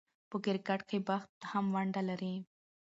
په کرکټ کښي بخت هم ونډه لري.